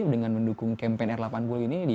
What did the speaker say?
dengan mendukung campaign r delapan puluh ini